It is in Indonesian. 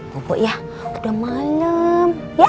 bobok ya udah malem